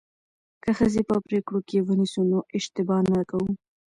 که ښځې په پریکړو کې ونیسو نو اشتباه نه کوو.